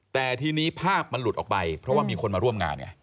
แต่ทีนี้ภาพมันหลุดออกไปเพราะว่ามีคนมาร่วมงานไง